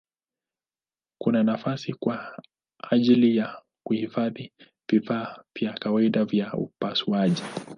Kuna nafasi kwa ajili ya kuhifadhi vifaa vya kawaida vya upasuaji.